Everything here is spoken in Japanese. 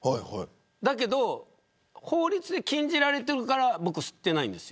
だけど法律で禁じられているから僕は吸っていないんです。